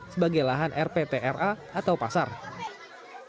sebagai lahan rptra atau pasar